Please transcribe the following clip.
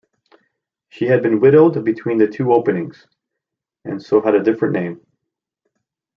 She had been widowed between the two openings, and so had a different name.